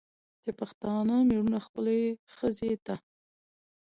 چې پښتانه مېړونه خپلې ښځې ته